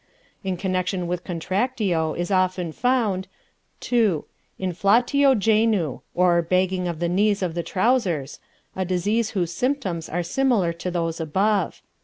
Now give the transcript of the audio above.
In connection with Contractio is often found II. Inflatio Genu, or Bagging of the Knees of the Trousers, a disease whose symptoms are similar to those above.